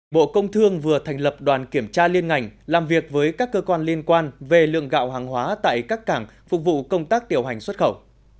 bộ công thương vừa thành lập đoàn kiểm tra liên ngành làm việc với các cơ quan liên quan về lượng gạo hàng hóa tại các cảng phục vụ công tác tiểu hành xuất khẩu